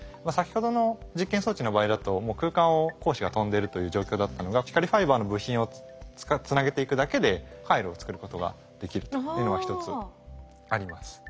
先ほどの実験装置の場合だと空間を光子が飛んでるという状況だったのが光ファイバーの部品をつなげていくだけで回路を作ることができるというのが一つあります。